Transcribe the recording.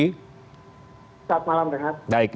selamat malam renat